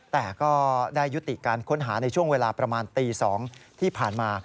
แต่ก็ได้ยุติการค้นหาในช่วงเวลาประมาณตี๒ที่ผ่านมา